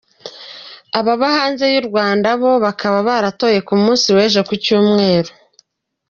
Ababa hanze y'u Rwanda bo bakaba baratoye ku munsi w'ejo ku cyumweru.